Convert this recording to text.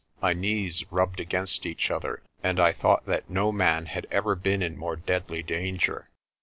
My knees rubbed against each other and I thought that no man had ever been in more deadly danger.